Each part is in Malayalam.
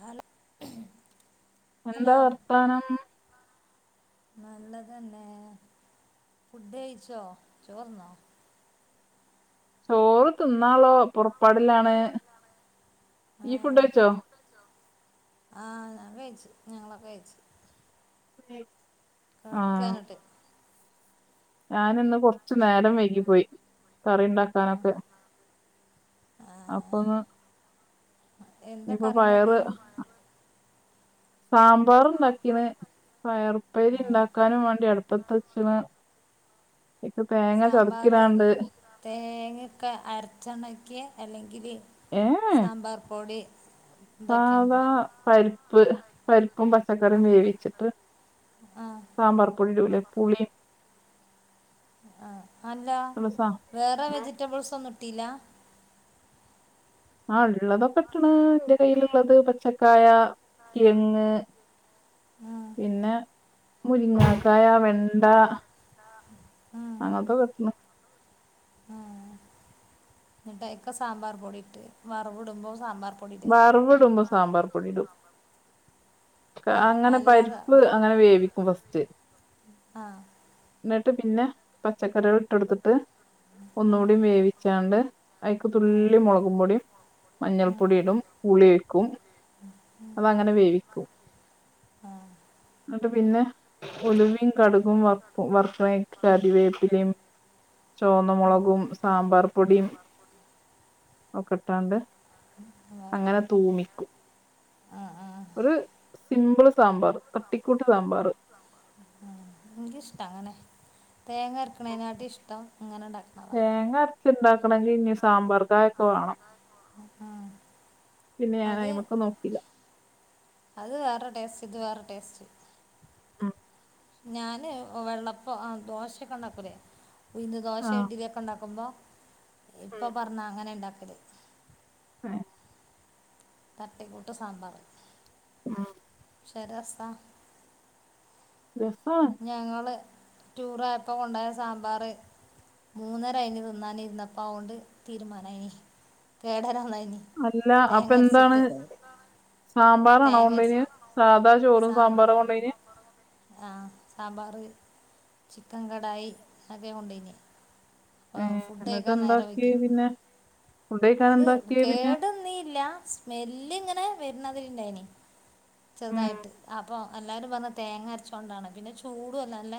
ഹലോ. എന്താ ഹലോ വർത്താനം. നല്ലതന്നെ ഫുഡ് കഴിച്ചോ ചോർന്നോ. ചോറ് തിന്നാളള പുറപ്പാടിലാണ് ഇയ് ഫുഡ് കഴിച്ചോ? ആഹ് ഞ കയിച്ചു ഞങ്ങളൊക്കെ കയിച്ചു. ഉം കടക്കാനിട്ട്. ഞാന് ഇന്ന് കൊറച്ചു നേരം വൈകി പോയി കറി ഉണ്ടാക്കാനൊക്കെ. ആ അപ്പൊന്ന്. എന്താ ഇപ്പൊ കറി പയറ് ഉണ്ടാക്കിയേ സാമ്പാറ്ണ്ടാക്കീന്. പയർപ്പേരി ആ ണ്ടാക്കാനും വേണ്ടി അടുപ്പത്തെച്ന്. അയ്ക്ക് തേങ്ങ ചറുക്കിടാണ്ട്. തേങ്ങക്കെ അരച്ചണ്ടാക്കിയേ അല്ലെങ്കില്. ഏഹ് സാമ്പാർ പൊടി. ഇതൊക്കെയുണ്ടോ സാധാ പരിപ്പ് പരിപ്പും ആ പച്ചക്കറിയും വേവിച്ചിട്ട്. ആ സാമ്പാർ പൊടിടൂലേ പുളിയും. ആഹ് അല്ല ഉള്ള സാ വേറെ വെജിറ്റബിൾസ് ഒന്നും ഇട്ടീല്ല. ആഹ് ഉള്ളതൊക്കെ ഇട്ടാണ് എന്റെ കയ്യിലുള്ളത് പച്ചക്കായ. കിഴങ്ങ് ആ പിന്നെ. മുരിങ്ങാക്കായ വെണ്ട അങ്ങനത്തെക്കെട്ടു. ആഹ് എന്നിട്ടയ്ക് സാമ്പാർ പൊടിട്ട് വറവിടുമ്പോ സാമ്പാർ. പൊടി ഇടുക വറവിട്മ്പോ സാമ്പാർ പൊടിടും. ആ അങ്ങനെ അല്ലാതെ ആ പരിപ്പ് അങ്ങനെ വേവിക്കും ഫസ്റ്റ്. ആ ന്നട്ട് പിന്നെ പച്ചക്കറ്യേള് ഇട്ടൊട്ത്തിട്ട് ഒന്നുടി ആ വേവിച്ചാണ്ട്. അയ്ക്ക് ആ തുള്ളി മോളകും പൊടിം മഞ്ഞൾപ്പൊടി ടും ഉ വേവിക്കും അപ്പങ്ങനെ വേവിക്കും. ആ ന്നട്ട് പിന്നെ ഉലുവിം കടുകും വർക്കും വർക്ക്ണേയ്ക്ക് കരിവേപ്പിലിം. ചോന്ന മൊളകും സാമ്പാർ പൊടിം ഒക്കെട്ടാണ്ട്. ആഹ് അങ്ങനെ തൂമിക്കും. ആ ഒരു സിംമ്പിൾ സാമ്പാർ തട്ടിക്കൂട്ട് സാമ്പാർ. ഇൻക്കിഷ്ടാ അങ്ങനെ തേങ്ങ അര്ക്കണേനാട്ടിം ഇഷ്ടം ഇങ്ങനെ ണ്ടാക്ക്ണതാ. ച്ച് ണ്ടാക്കണങ്കി ഇഞ്ഞി സാമ്പാർ കായ ഒക്കെ വാണം. അഹ് ആഹ്. പിന്നെ ഞാനയിമക്ക് നോ അത് വേറെ ടേസ്റ്റ് ഇത് വേറെ ടേസ്റ്റ്. മ് ഞാന് വെള്ളപ്പ ആഹ് ദോശ ക്കൊ ണ്ടാക്കൂലേ. ഉയ്‌ന്ന് ദോശെ ആഹ് ഇഡ്ലി ഒക്കെ ണ്ടാക്കുമ്പോ ഇപ്പോ പറഞ്ഞ അങ്ങനെ ണ്ടാക്കല്. എ തട്ടിക്കൂട്ട് സാമ്പാർ. മ് പക്ഷെ രസാ. രസാണ്. ഞങ്ങള് ടൂറോയപ്പോ കൊണ്ടോയ സാമ്പാർ. മൂന്നരആയിനി തിന്നാനിര്ന്നപ്പോ അതൊണ്ട് തീരുമാനാ യിനി കേടരാനായിനി. അല്ല അപ്പൊ ന്താ. ന്താണ് സാമ്പാറാണോ തേങ്ങ അരച്ച് കൊണ്ടേയിന്യേ സാധാ ചോറും സാമ്പാറു ആ കൊണ്ടെയിന്യേ. ആഹ് അസാമ്പാർ ചിക്കൻ കടായി അ ഒക്കെ കൊണ്ടോയിന്യേ. അപ്പോ ഏഹ് എന്നിട്ട് ഫുഡയിക്കാൻ നേരം എന്താക്കിയേ വൈകി പിന്നെ ഫുഡ് കഴിക്കാൻ അത് എന്താക്കിയേ പിന്നെ കേടന്നീല്ല. സ്മെല്ല് ങ്ങനെ വര്നാതിരിണ്ടായിനി ചെർതായിട്ട് അപ്പം. എല്ലാരും പർഞ്ഞ് തേങ്ങ അര്ച്ചൊണ്ടാണ് പിന്നെ ചൂടും അല്ലേ നല്ല.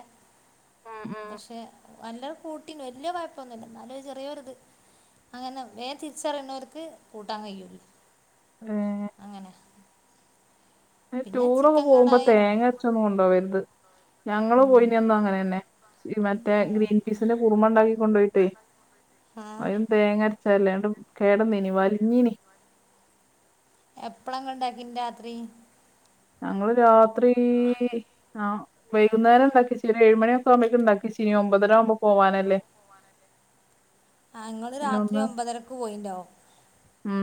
മ് മ് പക്ഷെ യെല്ലാരും കൂട്ടിണ് വല്യ കൊയ്പൊന്നുല്ല എന്നാലും ചെറ്യോരു ഇത്. അങ്ങനെ വേം തിര്ച്ചറിണോൽക്ക് കൂട്ടാൻ കയ്യൂല. ഏ. അങ്ങനെ. പിന്നെ ടൂറൊക്കെ ചിക്കൻ പോവുമ്പോ കടായും തേങ്ങ അര്ച്ചൊന്നും കൊണ്ടോവര്ത് ഞങ്ങള് ഉം, പോയീനന്നും അങ്ങനെ തന്നെ. മറ്റേ ഉം, ഗ്രീൻ പീസിന്റെ കുറുമ ണ്ടാക്കി കൊണ്ടോയിട്ടേ. ആ അയില് തേങ്ങര്ച്ചല്ലേ ന്നട്ട് കേടന്നീനി വൽഞ്ഞീനി. എപ്പളാ ഇങ്ങള് ണ്ടാക്കീ ന്യേ രാത്രി? ഞങ്ങള് രാത്രീ. ആഹ് വൈകുന്നേരംണ്ടാക്ക്യേച്ച് ഒര് ഏഴുമണ്യോക്കെ ആവുമ്പോക്കുംണ്ടാക്ക്യേ ച്ചീനി ഒമ്പതരാ വുമ്പോ. പോവാനല്ലേ. ആഹ് ങ്ങള് പിന്നെ രാത്രി ഒന്ന് ഒമ്പതരക്ക് പോയിണ്ടാവും. ഉം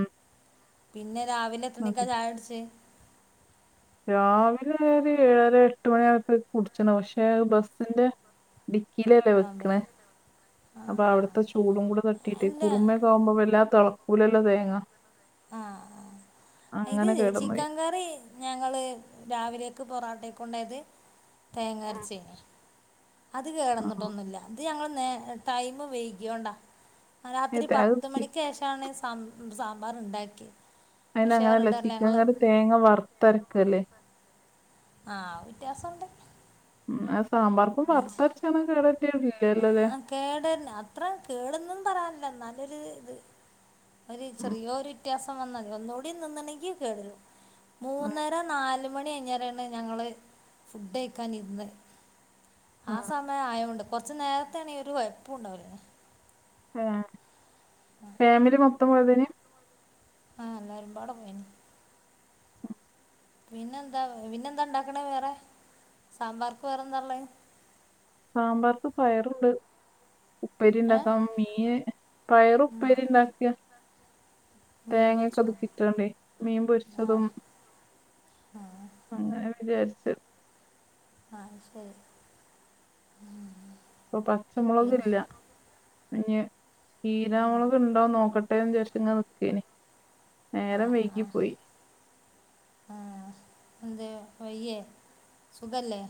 പിന്നെ രാവിലെ എത്രണിക്കാ അതെ ചായ കുട്ച്ചേ? രാവിലെ ഒരു ഏഴര എട്ട് മണിആയപ്പോത്തിന് കുട്ച്ച് ണ് പക്ഷെ ബസിന്റെ. ഡിക്കിലല്ലേ ബോംബെ വെക്ക്ണേ. ആ അപ്പൊ ആ അവ്ട്ത്തെ ചൂടും കൂടെ തട്ടീട്ടേ അല്ല കുറുമൊക്കെ ആവുമ്പോ വല്ലാ തെളക്കൂലല്ലോ തേങ്ങ. ആഹ് ആഹ് ഇത് അങ്ങനെ കേടന്നുപോയി ചിക്കൻ കറി ഞങ്ങള് രാവിലെയക്ക് പൊറോട്ടേക്ക കൊണ്ടായത് തേങ്ങ അരച്ചേനി അത് ആ കേടന്നിട്ടൊന്നുല്ല ഇത് ഞങ്ങൾ നേ ടൈമ് വൈകിയൊണ്ടാ രാത്രി ഏത് അത് പത്ത് ചി മണിക്ക് ശേഷമാണ് സാമ്പാർ ഉണ്ടാക്കിയ അയിന് അങ്ങനെയല്ല ചിക്കൻ കറി തേങ്ങ വറുത്തരക്കല്ലേ ആഹ് വ്യത്യാസണ്ട് ഉം സാമ്പാർ ഇപ്പം വറത്തരച്ചന്ന കേടട്ട ഇല്ലല്ലോ അല്ലെ കേടന്നെ അത്ര കേടൊന്നും പറയാനില്ല ന്നാലൊരു ഇത്. ഒരു ഉം ചെറിയ ഒരു വ്യത്യാസം വന്നാ തി ഒന്നുടി നിന്ന്ണെങ്കിൽ കേടെരും മൂന്നര നാല് ത്തുമണി [unintelligible] കഴിഞ്ഞ് ഞങ്ങളെ ഫുഡ് കഴിക്കാൻ ഇരുന്ന് ആ സമയം ആയോണ്ട് കുറച്ച് നേരേത്തേ ആണ് ഒരു കുഴപ്പോണ്ടാവില്ല ആഹ് ഫാമിലി മൊത്തം പോയതിന് ആഹ് എല്ലാരും പാട പോയന് പിന്നെന്താ പിന്നെന്താ ഉണ്ടാക്കണേ വേറെ സാമ്പാർക്ക് വേറെ എന്താ ഉള്ളേ സാമ്പാർക്ക് പയറുണ്ട് ഉപ്പേരി ഏ ഉണ്ടാക്കാം മീന് പയറ ഉപ്പേരി ഉണ്ടാക്കിയ മീൻ തേങ്ങയൊക്കെ പൊരിച്ചോ അത് കിട്ടണ്ടേ മീൻ ആ പൊരിച്ചതും ആ അങ്ങനെ വിചാരിച്ച് ആഹ് ശരി ഇപ്പൊ പിന്നെ പച്ചമുളകില്ല ഇഞ്ഞ് ഉം. ഹീരാമുളക് ഉണ്ടോനോക്കട്ടെന്ന് ചാരിച്ച് ഇങ്ങ നിക്കനി നേരം വൈകി പോയി ആഹ് എന്ത് വയ്യേ സുഖല്ലേ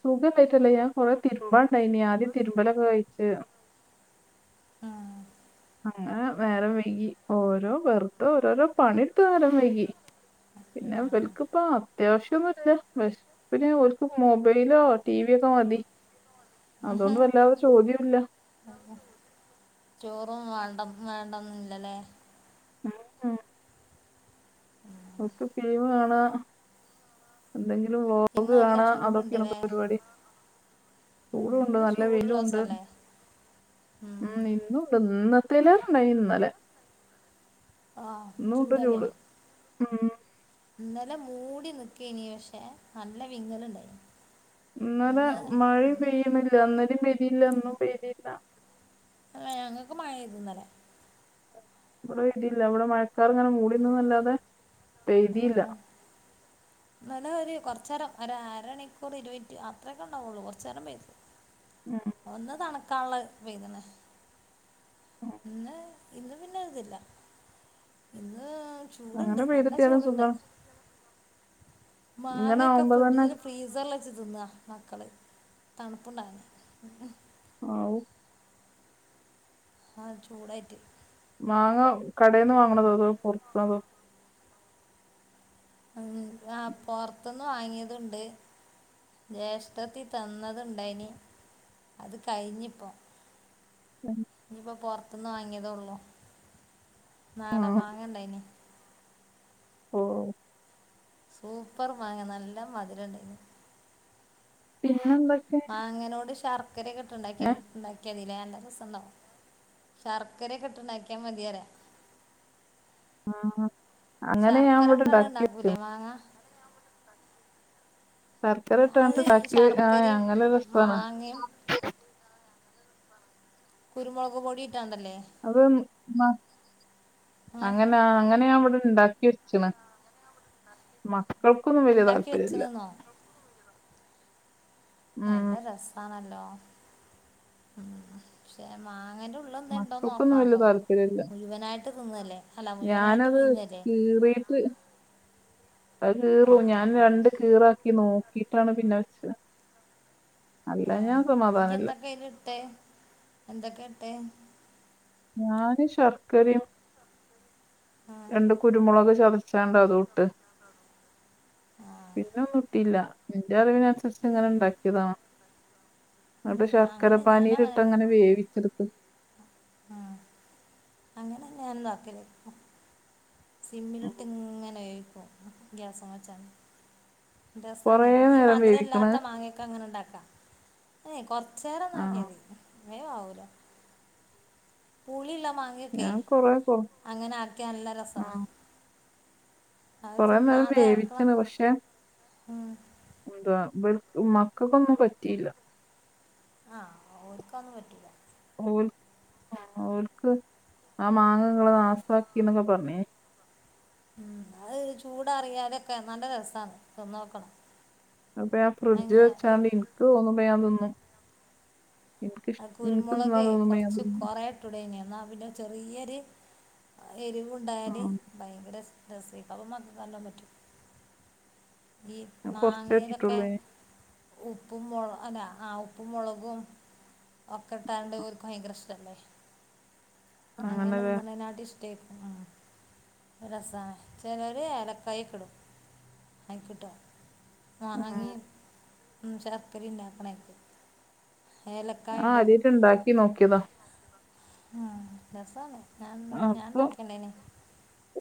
സുഖം ഉണ്ടായിട്ടല്ല ഞാൻകൊറേ തിരുമ്പണ്ടായിനി ആദ്യം രുമ്പലൊക്കെ കഴിച്ച് ആഹ് അങ്ങനെ വേരം വൈകി ഓരോ വെറുത ഓരോരോ പണിട്ട് നേരം വൈകി പിന്നെ ആ വൽക്കപ്പാ അത്യാവശ്യന്നുമില്ല പിന്നെർക്ക് മൊബൈലോ ടി വി ഒക്കെ മതി അതുകൊണ്ട് ഉഹും. വല്ലാതെ ചോദ്യല്ല ചോറും വേണ്ട വേണ്ടന്നില്ലല്ലേ ആഹ് ആഹ് ഉം. നമുക്ക് ഫീവ് കാണ എന്തെങ്കിലും ഇന്ന് വ്ലോഗ് നല്ല കാണാ ചൂടുണ്ട് അതൊക്കെയാണ് അല്ലേ പരിപാടി ചൂടു ഉം. ഉണ്ട് ഇന്ന് നല്ല ചൂടുള്ള വലുണ്ട് ദിവസമല്ലേ ഉം ഇന്നുണ്ട് നിന്ന തിലറുണ്ടായിന്നല്ലേ ആഹ് ഉണ്ട് ചൂടന്നെ ചൂട് ഉം ഇന്നലെ മൂടി നിക്ക ഇനി പക്ഷെ നല്ല വിങ്ങലുണ്ടായി ഇന്നേലെ മഴയും പെയ്യുന്നില്ല അന്നേരം പെയതില്ല ഒന്നും പെയതില്ല ആഹ് ഞങ്ങൾക്ക് മഴ ഇന്നലെ ഇവിടെ മഴക്കാർ ഇങ്ങനെ മൂടിന്നല്ലാതെ പെയതില്ല നന ഒരു കുറച്ച നേരം ഒരമണിക്കൂർ ഇരുപനിറ്റ് അത്രയേക്കെ ഉണ്ടാവുള്ളൂ കുറച്ച നേരം ആഹ് ഒന്ന് തണക്കാുള്ള പെയനെ പിന്നെ ഇന്ന് പിന്നെരുതില്ല ഇന്ന് ചൂടുണ്ട് അങ്ങനെ നല്ല പെയ്തിട്ടാലും ചൂടുണ്ട് സുഖാണ് ഇങ്ങനെ മാങ്ങയൊക്കെ ആവുമ്പോ തന്നെ ഫ്രിഡ്ജിൽ ഫ്രീസറൽ വച്ച് തിന്ന മക്കള് തണുപ്പുണ്ടായിുന്ന ആഹ്‌ ആ ചൂടട്ട മാങ്ങ കടയിൽന്ന് വാങ്ങണതോ അതോ പൊറുക്കണതോ ഉ ആ പുറത്തുന്ന് വാങ്ങിയതുണ്ട് ജ്യേഷ്ഠത്തിൽ തന്നത്ണ്ടായിന് അത് കഴിഞ്ഞിപ്പോ ഉം ഇനിയിപ്പൊ പൊറത്തന്ന് വാങ്ങിയതേള്ളു നാടൻ ഉം. മാങ്ങ ഇണ്ടായിന് ഓ. സൂപ്പർ മാങ്ങ നല്ല മധുരണ്ട് പിന്നെന്തൊക്കെ മാങ്ങേനോട് ശർക്കരയൊക്കെ ഇട്ട്ണ്ടാക്കി ഉണ്ടാക്കിയതിലേ നല്ല രസാ ണ്ടോ ശർക്കരയൊക്കെ ഇട്ട് ണ്ടാക്കിയാൽ മതിയാര ആ അങ്ങനെ ഞാൻ ഇവിടെ ഇണ്ടാക്കി വെച്ചിന്. മാങ്ങാ ശർക്കര ഇട്ട് അത് ഇണ്ടാക്കി ആ ശർക്കരയും ഞങ്ങള് [unintelligible] മാങ്ങയും കുരുമൊളക് പൊടിയിട്ടാണ്ടല്ലേ? അത് മ ഏ അങ്ങനെ അങ്ങനെ ഞാൻ ഇവിടെ ഇണ്ടാക്കി വെച്ചക്കണ്. മക്കൾക്കൊന്നും വല്ല്യ ഉണ്ടാക്കി താല്പര്യല്ല. വെച്ചണെന്നോ ഉം നല്ല രസാണല്ലോ പക്ഷെ മാങ്ങന്റെള്ളിൽ ള്ളന്തേണ്ടോന്ന് മക്കൾക്കൊന്നും വല്യ നോക്കണംട്ടോ താല്പര്യല്ല മുഴുവനായിട്ട് തിന്നല്ലേ. അല്ല മുഴുവനായിട്ട് ഞാനത് വിഴുങ്ങല്ലേ കീറിട്ട് അത് ആ കീറു, ഞാൻ ആ രണ്ട് കീറാക്കി നോക്കിട്ടാണ് പിന്നെ വെച്ചത്. അല്ല ആ ഞാൻ ഇയ് സമാധാനല്ല എന്തൊക്കെ അയ്ൽ ഇട്ടേ? എന്തൊക്കെ ഇട്ടേ? ഞാന് ശർക്കരയും ആ രണ്ട് കുരുമുളൊക് ചതച്ച ച്ചാണ്ടോ അതൂട്ട് ആ പിന്നെ ഒന്നും ഇട്ടീല്ല. എന്റെ അറിവിന് അനുസ കുറച്ച് ഉം, ഇങ്ങനെ ഇണ്ടാക്കിയതാണ്. അത് ഉം. ആ, ശർക്കര അങ്ങനെ ഞാനും പാനീയിലിട്ട് തന്നെ അങ്ങനെ വേവിച്ചെടുത്ത് ഞാൻ അങ്ങനെ ഉണ്ടാക്കൽ. സിമ്മിലിട്ട് ഇങ്ങനെ വേവിക്കും ഗ്യാസമ്മേ വെച്ചാല് കൊറേ രസാണ് ഈ നേരം മധുരം വേവിക്കണ് ഇല്ലാത്ത മാങ്ങയെക്കെ അങ്ങനെ ഉണ്ടാക്കാം കൊറ ച്ചേരം ആ ആക്കിയാൽ മതി വേഗം അവൂല പുളിയിള്ള മാങ്ങ ങ്ങക്കെ ഞാൻ കൊറേ കൊ അങ്ങനെ ആക്കിയ നല്ല രസാ ആ അത് കൊറേ നേരം തിന്നാതെ കിടക്കണം വേവിച്ചണ് പക്ഷെ ഉം എന്താ ഇവര് മക്കക്കൊന്നും പറ്റിയില്ല. ആ ഓൽക്കൊന്നും പറ്റൂല്ല. ഓൽ ആ ഓൽക്ക് ആ മാങ്ങങ്ങള് നാസാക്കി എന്നൊക്കെ പറഞ്. ഉം അത് ചൂടാറിയാലൊക്കെ നല്ല രസാണ് തിന്ന് നോക്കണം. അപ്പൊ ഞാൻ ഫ്രിഡ്ജ് വെച്ചാണ്ട് എനിക്ക് തോന്നുമ്പോ ഞാൻ തിന്നും. എനിക്ക് ഇഷ് ആ എനിക്ക് തിന്നാൻ കുരുമുളകേ തോന്നുമ്പോ ഞാൻ കൊറച്ച് തിന്നും കൊറയ ട്ടുടേയിന് എന്നാൽ പിന്നെ ചെറിയൊരു ആ എരിവുണ്ടായാല് ഭയങ്കര രസ. രസേരിക്കും [unintelligible] അപ്പം മക്കക്ക് നല്ലോം പറ്റും. ഈ ഞാൻ കൊറച്ചേ മാങ്ങലൊക്കെ ഇട്ടിട്ടുള്ളൂ ഇനി ഉപ്പും മൊള അല്ല ആ ഉപ്പു മൊളകും. ഒക്കെട്ടാണ്ട് ഓർക്ക് ഭയങ്കര ഇഷ്ടല്ലേ. അങ്ങനെ അങ്ങനല്ലേ തിന്നനാട്ടീ ഇഷ്ടായിരിക്കും അ. രസാണ് ചെലര് ഏലക്കായിയൊക്കെ ഇടും. ആയ്ക്ക്ട്ടോ. ആ ഉം മാങ്ങാ ശർക്കര ഇണ്ടാക്കണായിക്ക് എല- ആ അരിയിലിണ്ടാക്കി നോക്കിയത. ആ രസാണ് ഞാൻ ഞാൻ ഉണ്ടാക്കണ്ടേന്.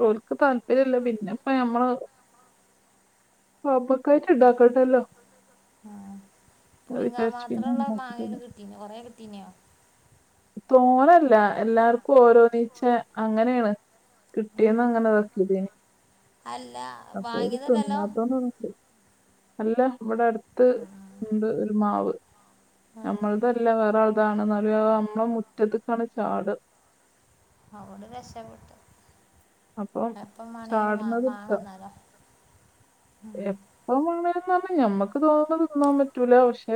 ഓർക്ക് താല്പര്യംല്ല പിന്നെ ഇപ്പ ഞമ്മള് ആ മ്മക്കായിട്ട് ഇണ്ടാക്കണ്ടല്ലോ അത് വിചാരിച്ച് പിന്നെ ഇണ്ടാക്കിട്ടില്ല. പിന്നെ കൊറേ കിട്ടീനിയോ? തോനല്ല എല്ലാർക്കും ഓരോന്നീച്ച അങ്ങനെയാണ്. കിട്ടിയന്ന് അങ്ങനെ ആക്കിയിക്കേന് അല്ല അപ്പൊ ഓര് വാങ്ങിയതല്ലല്ലോ തിന്നാത്തോണ്ട് ച് അല്ല ഇവിടെ അടുത്ത് ഇണ്ട് ഒരു മാവ്. നമ്മൾതല്ല വേറേള്താണ് ന്നാലുവെ നമ്മളെ മുറ്റത്ത്ക്കാണ് ചാട. അവോണ്ട് രക്ഷപ്പെട്ടു. അപ്പം എപ്പം വേണെങ്കി ചാടുന്നത് മാങ്ങാ എടുക്കാം തിന്നാലോ. എപ്പം മേണെന്നറഞ്ഞാ ഞമ്മക്ക് തോന്നുന്ന തിന്നാൻ പറ്റൂല പക്ഷെ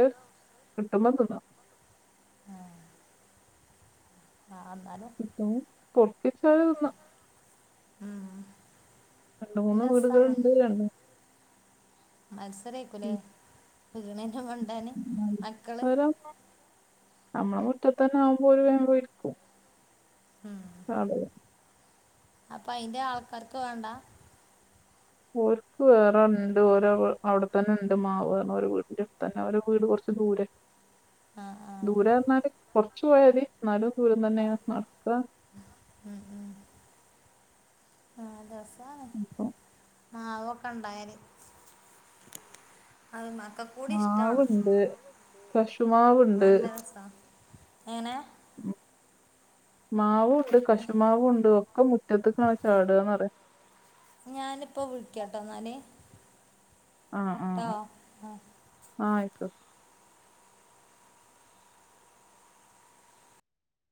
കിട്ടുമ്പം തിന്നാം. ആഹ് ആഹ് എന്നാലും ഇപ്പൊ പൊട്ടിച്ചതിന്ന് രണ്ട് മൂന്ന് രസാണ് വീടുകളുണ്ട് രണ്ട് മത്സരായിക്കൂലേ വീണെന്റെ മത്സരം അമ്മള മുറ്റത്തന്നെ ആവുമ്പോ ഒരു വേപോയി എടുക്കും ആഹ് ആള് അപ്പൊ അയിന്റെ ആൾക്കാർക്ക് വേണ്ട ഓരുക്കും വേറെണ്ട് ഓരോ അവിടത്തന്നെണ്ട് മാവ് അവര് വീടിന്റെ തന്നെ അവര് വീട് കൊറച്ച് ദൂരെ ആഹ് ആഹ് ദൂരം എന്നാല് കൊറച്ചോയതി എന്നാലും ദൂരം ആ തന്നേണ് നടക്ക ഉം ഉം ആഹ് രസാണ് ഇപ്പം മാവൊക്കെ ഇണ്ടായല് അത് മെക്കൊ കൂടി ഇഷ്ടാവണം മാവുണ്ട് കശുമാവുണ്ട് നല്ല രസാ എങ്ങനെ ഉം മാവുവുണ്ട് കശുമാവുവുണ്ട് ഒക്കെ മുറ്റത്ത്കാണ് ചാടുന്നറിയ ഞാനിപ്പൊ വിളിക്കാട്ടൊ എന്നാല് ആഹ് ആഹ് ആഹ് ആ ആഹ് ആയിക്കൊ